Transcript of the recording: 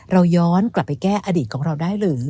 เราย้อนกลับไปแก้อดีตของเราได้หรือ